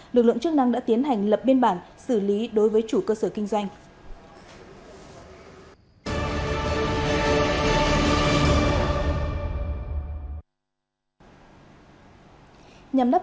lực lượng chức năng đã tiến hành lập biên bản xử lý đối với chủ cơ sở kinh doanh